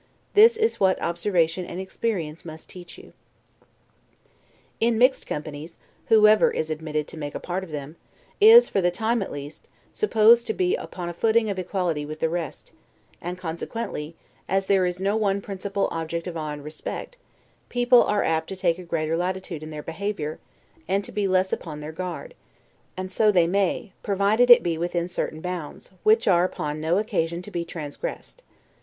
This is what observation and experience must teach you. In mixed companies, whoever is admitted to make part of them, is, for the time at least, supposed to be upon a footing of equality with the rest: and consequently, as there is no one principal object of awe and respect, people are apt to take a greater latitude in their behavior, and to be less upon their guard; and so they may, provided it be within certain bounds, which are upon no occasion to be transgressed.